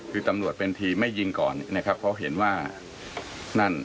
คือตำรวจเป็นทีมไม่ยิงก่อนนะครับเพราะเห็นว่านั่น